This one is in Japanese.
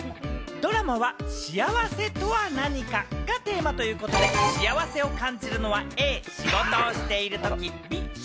ドラマは、幸せとは何か？がテーマということで幸せを感じるのはドッチ？